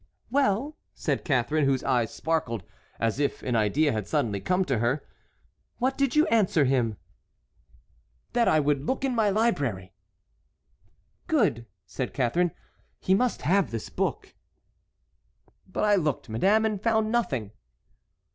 "Well," said Catharine, whose eyes sparkled as if an idea had suddenly come to her, "what did you answer him?" "That I would look in my library." "Good," said Catharine, "he must have this book." "But I looked, madame, and found nothing."